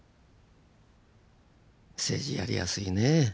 政治やりやすいね。